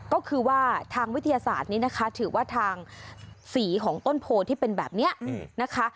ก็คือว่าทางวิทยาศาสตร์นี้นะคะถือว่าทางสีของต้นโพที่เป็นแบบนี้นะคะ